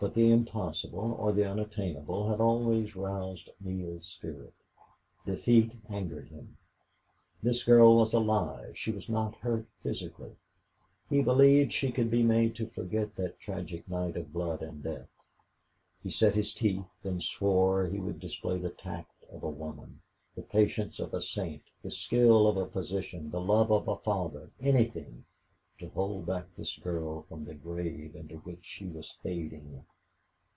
But the impossible or the unattainable had always roused Neale's spirit. Defeat angered him. This girl was alive; she was not hurt physically; he believed she could be made to forget that tragic night of blood and death. He set his teeth and swore he would display the tact of a woman, the patience of a saint, the skill of a physician, the love of a father anything to hold back this girl from the grave into which she was fading.